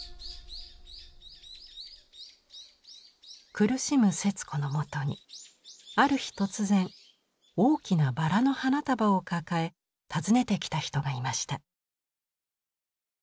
苦しむ節子のもとにある日突然大きなバラの花束を抱え訪ねてきた人がいました。